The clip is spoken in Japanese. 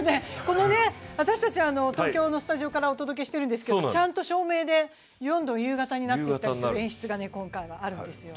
私たちは東京のスタジオからお届けしているんですが、ちゃんと照明で、夕方になってきたりする演出があるんですよ。